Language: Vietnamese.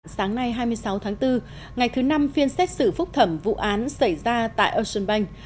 sáng nay hai mươi sáu tháng bốn ngày thứ năm phiên xét xử phúc thẩm vụ án xảy ra tại ocean bank